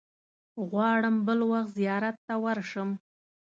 غواړم بل وخت زیارت ته ورشم.